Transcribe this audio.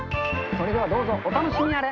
それではどうぞお楽しみあれ。